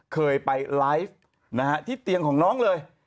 เคยไปไลฟ์ที่เตียงของน้องเลย